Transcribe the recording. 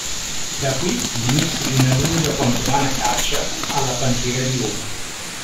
Da qui l'inizio di una lunga quanto vana caccia alla pantera di Roma.